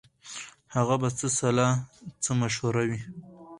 د هغه به څه سلا څه مشوره وي